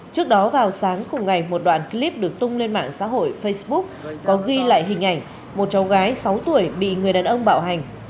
trước đó vào sáng cùng ngày một đoạn clip được tung lên mạng xã hội facebook có ghi lại hình ảnh một cháu gái sáu tuổi bị người đàn ông bạo hành